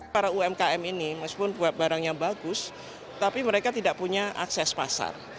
para umkm ini meskipun buat barang yang bagus tapi mereka tidak punya akses pasar